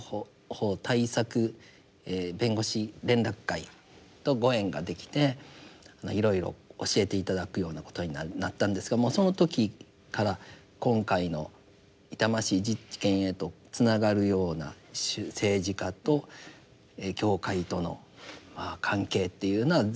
弁護士連絡会とご縁ができていろいろ教えて頂くようなことになったんですがもうその時から今回の痛ましい事件へとつながるような政治家と教会との関係っていうのは随分議論をされておりました。